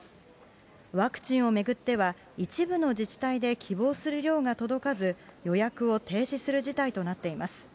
ワクチンを巡っては、一部の自治体で希望する量が届かず、予約を停止する事態となっています。